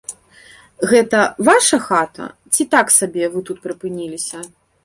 Гэта ваша хата ці так сабе вы тут прыпыніліся?